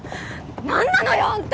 何なのよあんた！